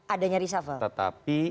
adanya resafel tetapi